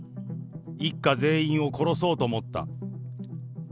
一家全員を殺そうと思った。